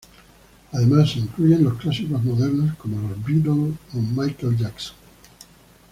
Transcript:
Además, se incluyen los "clásicos modernos", como los Beatles o Michael Jackson.